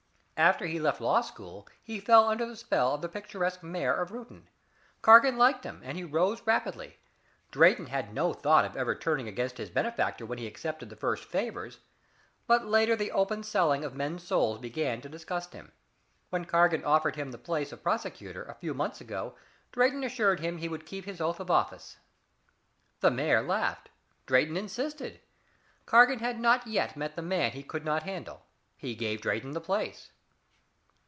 After he left law school he fell under the spell of the picturesque mayor of Reuton. Cargan liked him and he rose rapidly. Drayton had no thought of ever turning against his benefactor when he accepted the first favors, but later the open selling of men's souls began to disgust him. When Cargan offered him the place of prosecutor, a few months ago, Drayton assured him that he would keep his oath of office. The mayor laughed. Drayton insisted. Cargan had not yet met the man he could not handle. He gave Drayton the place."